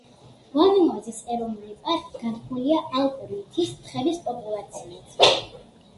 ვანუაზის ეროვნული პარკი განთქმულია ალპური მთის თხების პოპულაციით.